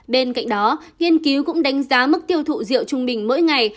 bên cạnh đó nghiên cứu cũng đánh giá mức tiêu thụ rượu trung bình mỗi ngày